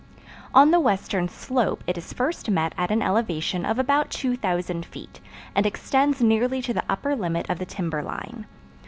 On the western slope it is first met at an elevation of about 2000 feet, and extends nearly to the upper limit of the timber line.